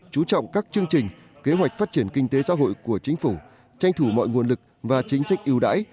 chú trọng các chương trình kế hoạch phát triển kinh tế xã hội của chính phủ tranh thủ mọi nguồn lực và chính sách ưu đãi